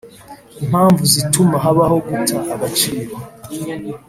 Impamvu zituma habaho guta agaciro